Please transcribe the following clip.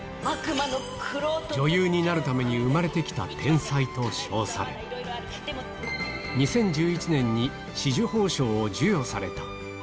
女優になるために生まれてきた天才と称され、２０１１年に紫綬褒章を授与された。